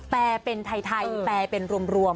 แปลเป็นไทยแปลเป็นรวม